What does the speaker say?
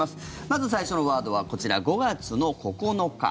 まず最初のワードはこちら５月の９日。